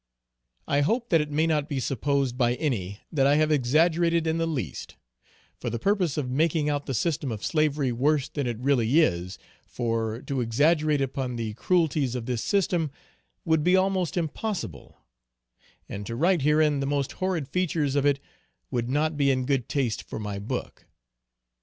I hope that it may not be supposed by any, that I have exaggerated in the least, for the purpose of making out the system of slavery worse than it really is, for, to exaggerate upon the cruelties of this system, would be almost impossible; and to write herein the most horrid features of it would not be in good taste for my book.